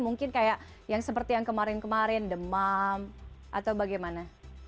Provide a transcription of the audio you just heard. mungkin kayak yang seperti yang kemarin kemarin demam atau bagaimana